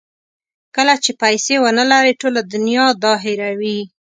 کله چې پیسې ونلرئ ټوله دنیا دا هیروي.